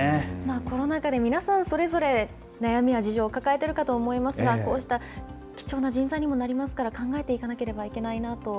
コロナ禍で皆さん、それぞれ悩みや事情を抱えているかと思いますが、こうした貴重な人材にもなりますから、考えていかなけれ